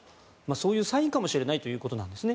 そういうサインかもしれないということです。